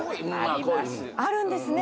あるんですね。